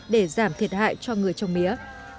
để giảm thiệt hại cho người trông mía